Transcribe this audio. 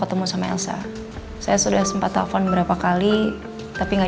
ketemu sama elsa saya sudah sempat telepon berapa kali tapi nggak